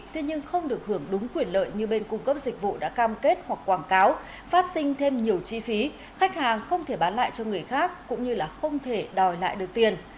thế nhưng không được hưởng đúng quyền lợi như bên cung cấp dịch vụ đã cam kết hoặc quảng cáo phát sinh thêm nhiều chi phí khách hàng không thể bán lại cho người khác cũng như là không thể đòi lại được tiền